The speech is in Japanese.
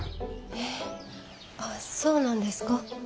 えっあっそうなんですか。